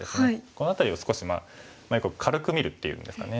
この辺りを少し軽く見るっていうんですかね。